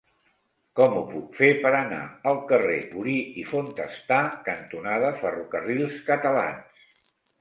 Com ho puc fer per anar al carrer Bori i Fontestà cantonada Ferrocarrils Catalans?